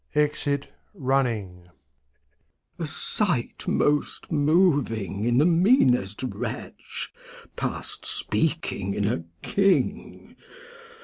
\E%it Running. Glost. A Sight most moving in the meanest Wretch, Past speaking in a King.